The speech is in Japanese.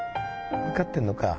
分かってんのか。